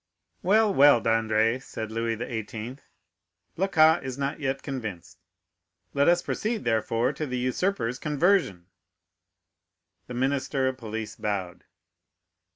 "Well, well, Dandré," said Louis XVIII., "Blacas is not yet convinced; let us proceed, therefore, to the usurper's conversion." The minister of police bowed.